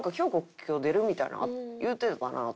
今日出るみたいなの言うてたかなと思って。